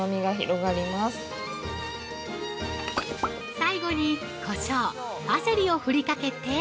◆最後に、こしょうパセリを振りかけて◆